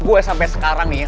gua sampe sekarang nih ya